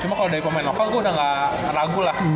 cuma kalau dari pemain lokal gue udah gak ragu lah